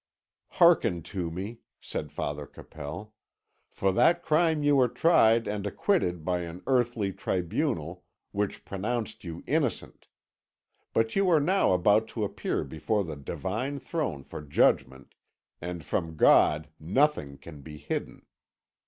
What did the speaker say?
"Hearken to me," said Father Capel. "For that crime you were tried and acquitted by an earthly tribunal, which pronounced you innocent. But you are now about to appear before the Divine throne for judgment; and from God nothing can be hidden.